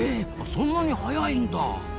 そんなに速いんだ！